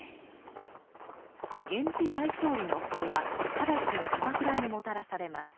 源氏大勝利の報は直ちに鎌倉にもたらされます。